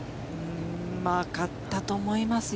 わかったと思いますよ。